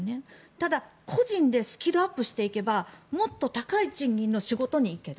ただ、個人でスキルアップしていけばもっと高い賃金の仕事に行ける。